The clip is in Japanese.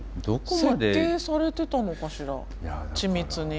設計されてたのかしら緻密に。